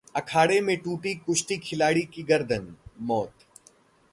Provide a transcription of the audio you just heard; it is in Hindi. अखाड़े में टूटी कुश्ती खिलाड़ी की गर्दन, मौत